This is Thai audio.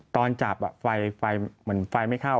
ตอนจับไฟฝ่ายไม่เข้า